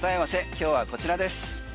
今日はこちらです。